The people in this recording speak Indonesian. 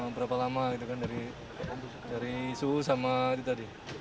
berapa lama gitu kan dari suhu sama itu tadi